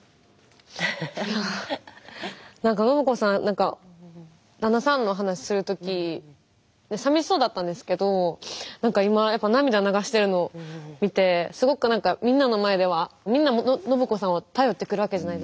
いやあなんか信子さんなんか旦那さんの話する時さみしそうだったんですけど今涙流してるのを見てすごくなんかみんなの前ではみんな信子さんを頼ってくるわけじゃないですか。